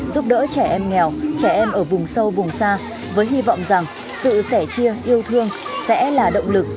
giúp đỡ trẻ em nghèo trẻ em ở vùng sâu vùng xa với hy vọng rằng sự sẻ chia yêu thương sẽ là động lực